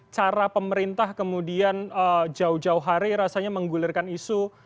cara pemerintah kemudian jauh jauh hari rasanya menggulirkan isu